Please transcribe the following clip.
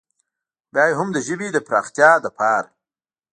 خو بيا هم د ژبې د فراختيا دپاره